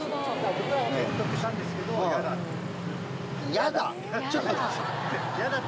僕らも説得したんですけど、やだ？